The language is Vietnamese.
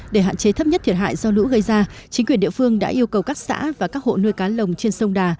để hạn chế thấp nhất thiệt hại do lũ gây ra chính quyền địa phương đã yêu cầu các xã và các hộ nuôi cá lồng trên sông đà